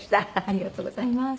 ありがとうございます。